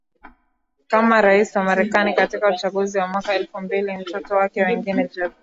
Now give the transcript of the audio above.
kama rais wa Marekani katika uchaguzi wa mwaka elfu mbili Mtoto wake mwengine Jeb